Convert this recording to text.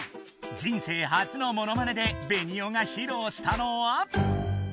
人生初のモノマネでベニオがひろうしたのは。